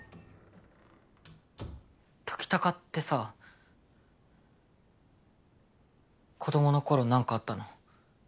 ときたかってさ子供の頃なんかあったの？